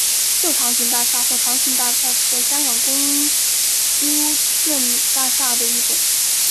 旧长型大厦或长型大厦是香港公共屋邨大厦的一种。